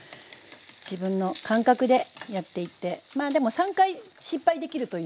自分の感覚でやっていってまあでも３回失敗できるという。